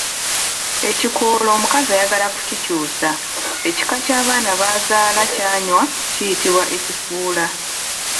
Ekikoola omukazi ayagala okukyusa ekika ky’abaana b’azaala ky'anywa kiyitibwa ekifuula.